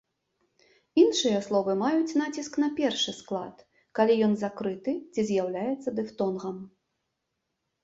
Іншыя словы маюць націск на першы склад, калі ён закрыты ці з'яўляецца дыфтонгам.